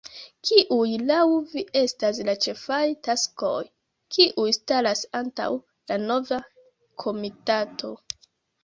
Kiuj laŭ vi estas la ĉefaj taskoj, kiuj staras antaŭ la nova komitato?